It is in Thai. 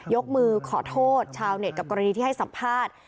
ยกมือขอโทษชาวเน็ตกับกรณีที่ให้สัมภาษณ์